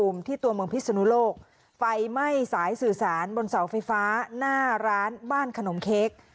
ไฟไหม้สายสื่อสารบนเสาไฟฟ้าหน้าร้านบ้านขนมเค้ก